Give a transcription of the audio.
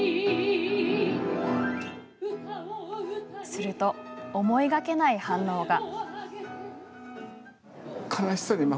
すると、思いがけない反応が。